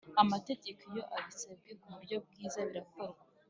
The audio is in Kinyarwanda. amategeko iyo abisabwe ku buryo bwiza birakorwa